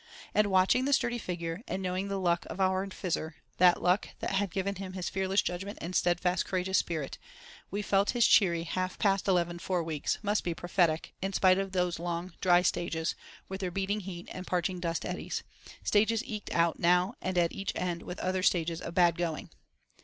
And watching the sturdy figure, and knowing the luck of our Fizzer—that luck that had given him his fearless judgment and steadfast, courageous spirit—we felt his cheery "Half past eleven four weeks" must be prophetic, in spite of those long dry stages, with their beating heat and parching dust eddies—stages eked out now at each end with other stages of "bad going."